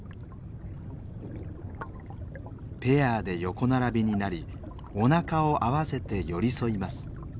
ペアで横並びになりおなかを合わせて寄り添います。